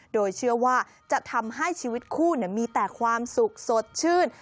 โดยเชื่อว่าจะทำให้ชีวิตคู่มีแต่ความสุขสดชื่น